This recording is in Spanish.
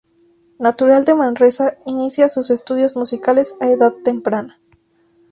Natural de Manresa, inicia sus estudios musicales a edad temprana.